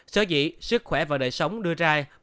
sở dĩ sức khỏe và đời sống đưa ra